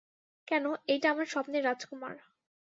কেনো, এইটা আমার স্বপ্নের রাজকুমার।